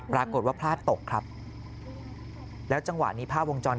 ปรากฏว่าพลาดตกครับแล้วจังหวะนี้ภาพวงจร